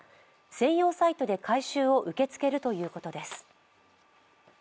専用サイトで回収を受け付けるということです。